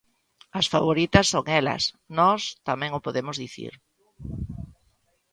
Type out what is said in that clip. As favoritas son elas, nós tamén o podemos dicir.